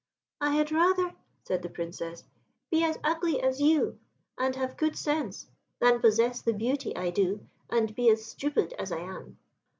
"I had rather," said the Princess, "be as ugly as you, and have good sense, than possess the beauty I do, and be as stupid as I am."